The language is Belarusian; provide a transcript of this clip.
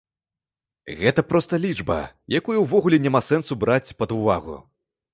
Гэта проста лічба, якую ўвогуле няма сэнсу браць пад увагу.